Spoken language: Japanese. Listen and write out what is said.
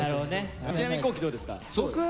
ちなみに皇輝どうですか？